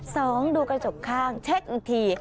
สองดูกระจกข้างเช็คอีกที